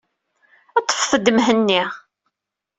Ḍḍfet-d Mhenni.